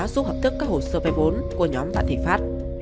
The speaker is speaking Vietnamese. giúp hợp thức các hồ sơ vay vốn của nhóm tạ thị pháp